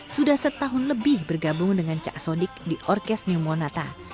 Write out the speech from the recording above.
sudah setahun lebih bergabung dengan cak sodik di orkes new monata